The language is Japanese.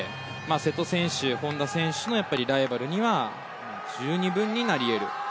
瀬戸選手、本多選手のライバルには十二分になり得る。